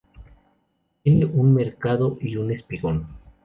Tiene un mercado y un espigón.